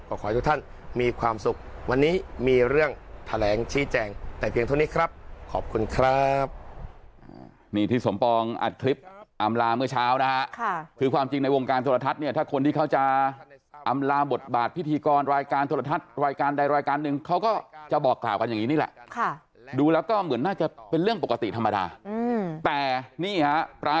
ก็ขอให้ทุกท่านมีความสุขวันนี้มีเรื่องแถลงชี้แจ่งแต่เพียงเท่านี้ครับขอบคุณครับ